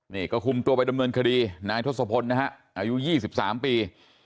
นี่ก็คุมตัวไปดำเนินคดีนายทศพลนะฮะอายุ๒๓ปี